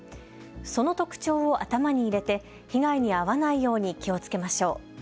その特徴を頭に入れて被害に遭わないように気をつけましょう。